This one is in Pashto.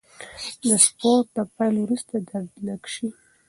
د سپورت د پیل وروسته درد لږ شي.